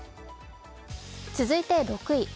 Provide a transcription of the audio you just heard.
続いて６位。